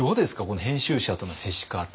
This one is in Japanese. この編集者との接し方。